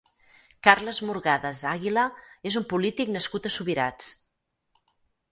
Carles Morgades Àguila és un polític nascut a Subirats.